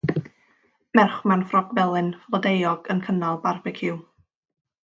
Merch mewn ffrog felyn flodeuog yn cynnal barbeciw.